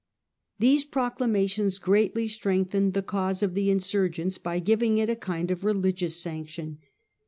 These proclamations greatly strengthened the cause of the insurgents by giving it a kind of religious sanc tion.